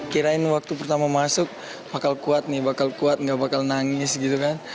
kirain waktu pertama masuk bakal kuat nih bakal kuat gak bakal nangis gitu kan